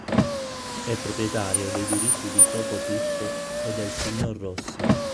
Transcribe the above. È proprietario dei diritti di Topo Tip e del Signor Rossi.